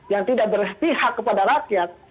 yang tidak berpihak kepada rakyat